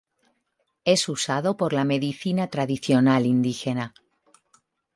Es usado por la medicina tradicional indígena.